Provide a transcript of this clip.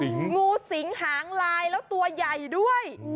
งูสิงหางลายแล้วตัวใหญ่ด้วย